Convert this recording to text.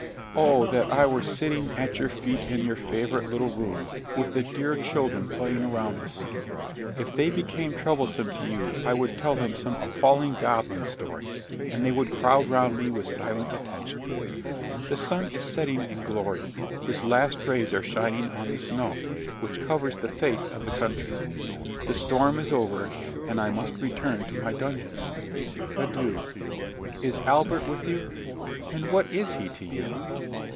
Oh, that I were sitting at your feet in your favourite little room, with the dear children playing around us! If they became troublesome to you, I would tell them some appalling goblin story; and they would crowd round me with silent attention. The sun is setting in glory; his last rays are shining on the snow, which covers the face of the country: the storm is over, and I must return to my dungeon. Adieu! Is Albert with you? and what is he to you?